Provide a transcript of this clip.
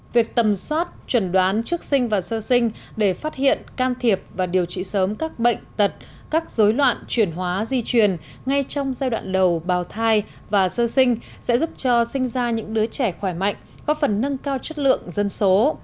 việc tầm soát chuẩn đoán trước sinh và sơ sinh để phát hiện can thiệp và điều trị sớm các bệnh tật các dối loạn chuyển hóa di truyền ngay trong giai đoạn đầu bào thai và sơ sinh sẽ giúp cho sinh ra những đứa trẻ khỏe mạnh có phần nâng cao chất lượng dân số